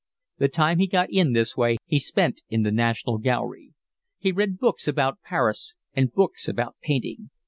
The time he got in this way he spent in the National Gallery. He read books about Paris and books about painting.